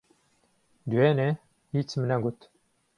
دوێنێ، ھیچم نەگوت.